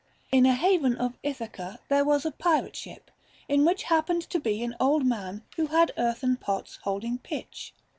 In a haven of Ithaca there was a pirate ship, in which happened to be an old man who had earthen pots holding pitch.